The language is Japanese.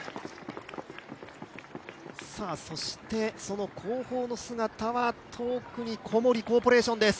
そしてその後方、遠くに小森コーポレーションです。